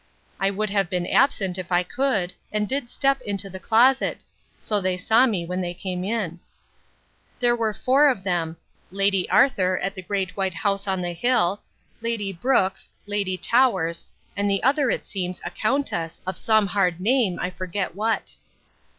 I would have been absent, if I could, and did step into the closet: so they saw me when they came in. There were four of them, Lady Arthur at the great white house on the hill, Lady Brooks, Lady Towers, and the other, it seems, a countess, of some hard name, I forget what.